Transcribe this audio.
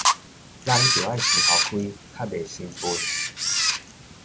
咱著愛想予開，較袂心悶